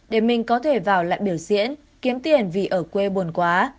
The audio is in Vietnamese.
để mình có thể vào lại biểu diễn kiếm tiền vì ở quê bồn quá